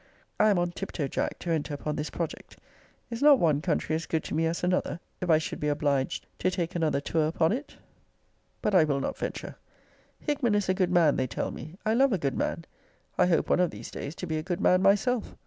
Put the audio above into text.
I am on tiptoe, Jack, to enter upon this project. Is not one country as good to me as another, if I should be obliged to take another tour upon it? But I will not venture. Hickman is a good man, they tell me. I love a good man. I hope one of these days to be a good man myself.